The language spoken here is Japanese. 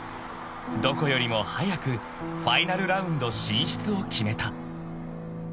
［どこよりも早くファイナルラウンド進出を決めた］